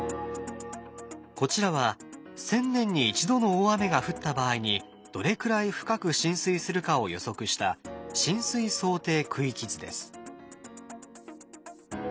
こちらは１，０００年に１度の大雨が降った場合にどれくらい深く浸水するかを予測した浸水想定区域図です。